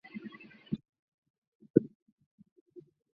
本舰的舰名来源于神户市的名胜地须磨地区。